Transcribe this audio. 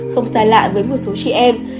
không xa lạ với một số chị em